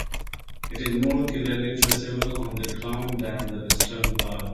It is more clearly traceable on the ground than the western part.